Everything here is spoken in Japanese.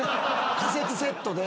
仮設セットで。